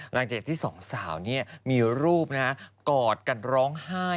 หลังจากที่สองสาวมีรูปกอดกันร้องไห้